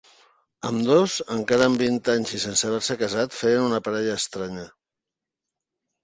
Ambdós, encara amb vint anys i sense haver-se casat, feien una parella estranya.